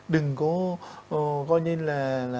đừng có coi như là